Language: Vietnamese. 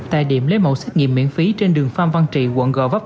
tại điểm lấy mẫu xét nghiệm miễn phí trên đường phan văn trị quận gò vấp